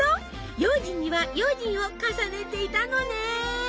用心には用心を重ねていたのね！